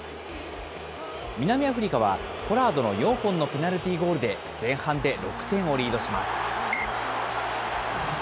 南アフリカは、ポラードの４本のペナルティーゴールで前半で６点をリードします。